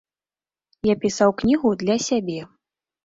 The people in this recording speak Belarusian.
Я пісаў кнігу для сябе.